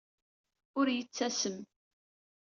Ur yettasem.